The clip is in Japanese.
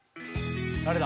誰だ？